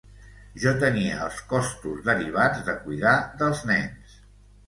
Jo tenia els costos derivats de cuidar dels nens.